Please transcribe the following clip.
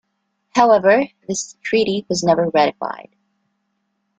However, this treaty was never ratified.